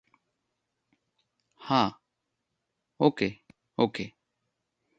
হা, okay, ওকে।